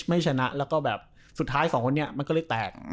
ไม่ชนะแล้วก็แบบสุดท้ายสองคนนี้มันก็เลยแตก